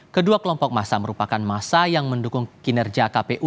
kedua kelompok masa merupakan masa yang mendukung kinerja kpu